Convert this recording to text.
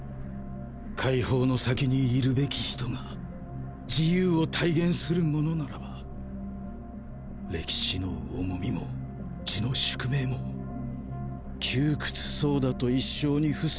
解放の先にいるべき人が自由を体現する者ならば歴史の重みも血の宿命も窮屈そうだと一笑に付す